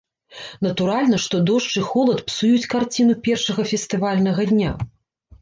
Натуральна, што дождж і холад псуюць карціну першага фестывальнага дня.